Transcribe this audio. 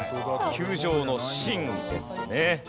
球状の芯ですね。